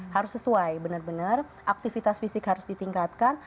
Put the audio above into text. harus sesuai benar benar aktivitas fisik harus ditingkatkan